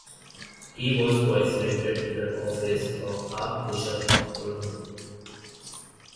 He was twice elected to the office of Archbishop of Colombo.